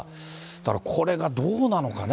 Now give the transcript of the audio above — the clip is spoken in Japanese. だから、これがどうなのかね。